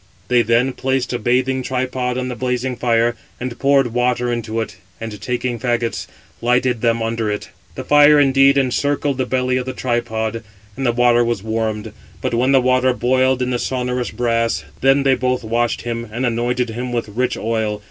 They then placed a bathing tripod on the blazing fire, and poured water into it, and taking fagots, lighted them under it. The fire indeed encircled the belly of the tripod, and the water was warmed. But when the water boiled in the sonorous brass, then they both washed him, and anointed him with rich oil.